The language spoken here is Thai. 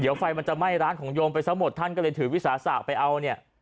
เดี๋ยวไฟมันจะไหม้ร้านของโยมไปซะหมดท่านก็เลยถือวิสาสะไปเอาเนี่ย